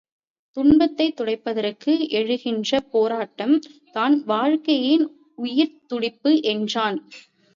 துன்பத்தைத் துடைப்பதற்கு எழுகின்ற போராட்டம் தான் வாழ்க்கையின் உயிர்த் துடிப்பு என்றான்.